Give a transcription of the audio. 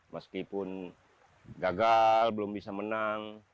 meskipun gagal belum bisa menang